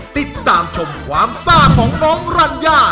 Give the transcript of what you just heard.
ติดตามชมความซ่าของน้องรัญญา